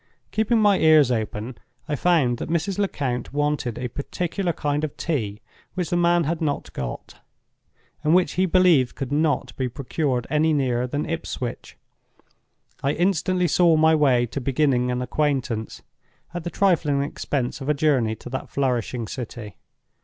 Keeping my ears open, I found that Mrs. Lecount wanted a particular kind of tea which the man had not got, and which he believed could not be procured any nearer than Ipswich. I instantly saw my way to beginning an acquaintance, at the trifling expense of a journey to that flourishing city.